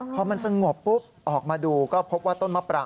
พอมันสงบปุ๊บออกมาดูก็พบว่าต้นมะปราง